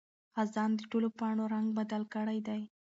خزان د ټولو پاڼو رنګ بدل کړی دی.